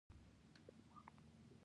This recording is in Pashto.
کچالو د بدن لپاره مفید دي